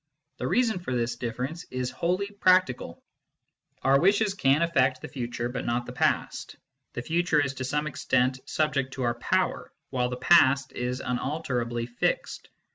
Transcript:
The reason for this difference is wholly practical : our wishes can affect the future but not the past, the future is tc some extent subject to our power, while the past is un alterably fixed.